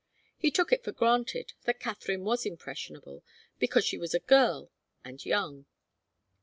He took it for granted that Katharine was impressionable because she was a girl and young.